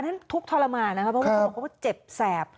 อันนั้นทุกข์ทรมานนะครับเพราะว่าเจ็บแสบ